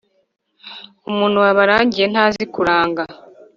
umuntu wabarangiye ntazi kuranga